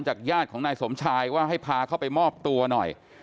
ญาติของนายสมชายว่าให้พาเข้าไปมอบตัวหน่อย